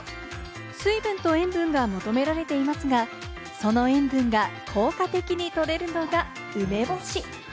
水分と塩分が求められていますが、その塩分が効果的にとれるのが梅干し。